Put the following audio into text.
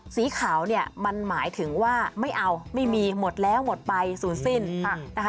สีขาวเนี่ยมันหมายถึงว่าไม่เอาไม่มีหมดแล้วหมดไปศูนย์สิ้นนะคะ